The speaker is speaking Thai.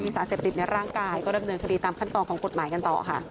สารเสพติดในร่างกายก็ดำเนินคดีตามขั้นตอนของกฎหมายกันต่อค่ะ